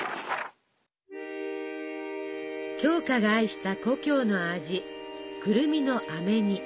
鏡花が愛した故郷の味くるみのあめ煮。